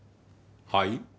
はい？